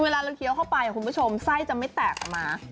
เวลาเราเคี้ยวเข้าไปคุณผู้ชมไส้จะไม่แตกออกมา